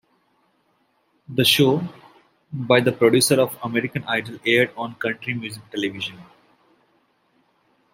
The show, by the producers of "American Idol", aired on Country Music Television.